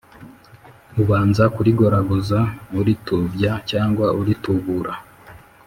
ubanza kurigoragoza (uritubya cyangwa uritubura)